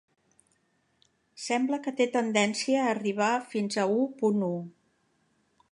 Sembla que té tendència a arribar fins a u punt u.